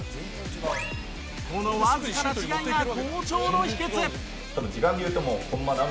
このわずかな違いが好調の秘訣。